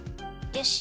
よし！